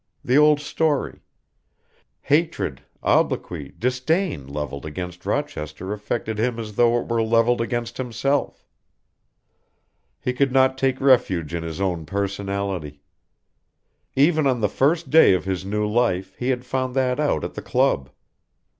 The old story. Hatred, obloquy, disdain levelled against Rochester affected him as though it were levelled against himself. He could not take refuge in his own personality. Even on the first day of his new life he had found that out at the club.